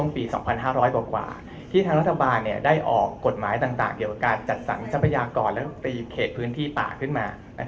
เป็นพื้นที่ป่าขึ้นมา